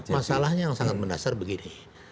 masalahnya yang sangat mendasar begini